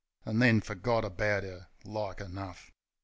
An' then fergot about 'er, like enough.